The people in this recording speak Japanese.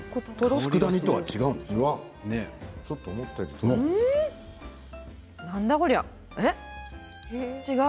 つくだ煮とは違うんでしょう？